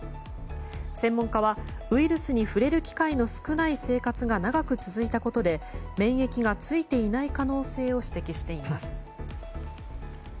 専門家はウイルスに触れる機会の少ない生活が長く続いたことで免疫がついていない可能性を指摘しています。